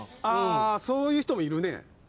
そういう人もいるね。